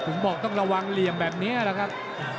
ผมบอกต้องระวังเหลี่ยมแบบนี้แหละครับ